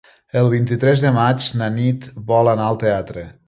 El vint-i-tres de maig na Nit vol anar al teatre.